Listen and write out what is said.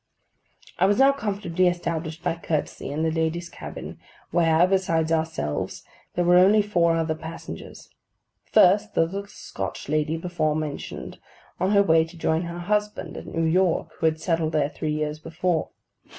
I was now comfortably established by courtesy in the ladies' cabin, where, besides ourselves, there were only four other passengers. First, the little Scotch lady before mentioned, on her way to join her husband at New York, who had settled there three years before.